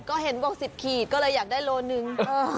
ก็เห็นบอก๑๐ขีดก็เลยอยากได้โลหนึ่ง